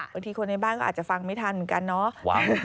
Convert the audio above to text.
คนในบ้านก็อาจจะฟังไม่ทันเหมือนกันเนาะ